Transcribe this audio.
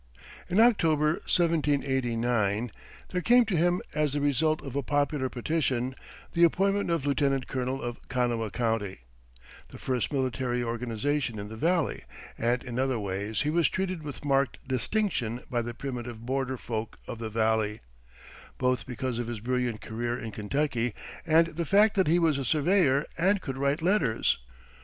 In October, 1789, there came to him, as the result of a popular petition, the appointment of lieutenant colonel of Kanawha County the first military organization in the valley; and in other ways he was treated with marked distinction by the primitive border folk of the valley, both because of his brilliant career in Kentucky and the fact that he was a surveyor and could write letters.